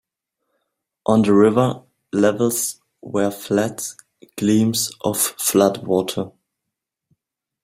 On the river levels were flat gleams of flood water.